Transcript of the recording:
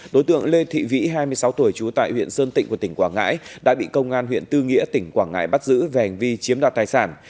đối tượng lê thị vĩ hai mươi sáu tuổi trú tại huyện sơn tịnh của tỉnh quảng ngãi đã bị công an huyện tư nghĩa tỉnh quảng ngãi bắt giữ về hành vi chiếm đoạt tài sản